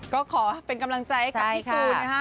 ก็ขอเป็นกำลังใจให้กับพี่ตูนนะคะ